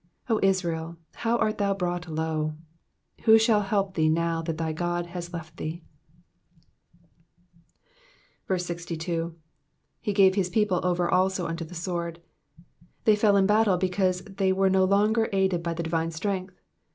O Israel, how art thou brought low ! Who shall help thee now that thy God has left thee I 62. fllc gwoe his people over also unto the sword.'*'* They fell in battle because they were no longer aided by the divine strength.